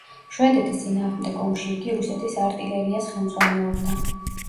შვედეთის წინააღმდეგ ომში იგი რუსეთის არტილერიას ხელმძღვანელობდა.